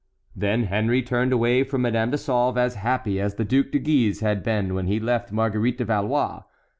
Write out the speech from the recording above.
Then Henry turned away from Madame de Sauve as happy as the Duc de Guise had been when he left Marguerite de Valois.